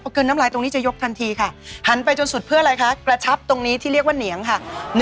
กลืนน้ำลายตรงนี้จะยกทันทีค่ะหันไปจนสุดเพื่ออะไรคะกระชับตรงนี้ที่เรียกว่าเหนียงค่ะ